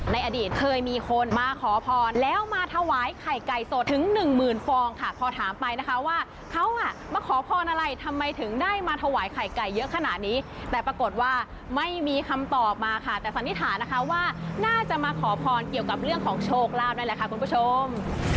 ในอดีตเคยมีคนมาขอพรแล้วมาถวายไข่ไก่สดถึงหนึ่งหมื่นฟองค่ะพอถามไปนะคะว่าเขาอ่ะมาขอพรอะไรทำไมถึงได้มาถวายไข่ไก่เยอะขนาดนี้แต่ปรากฏว่าไม่มีคำตอบมาค่ะแต่สันนิษฐานนะคะว่าน่าจะมาขอพรเกี่ยวกับเรื่องของโชคลาภนั่นแหละค่ะคุณผู้ชม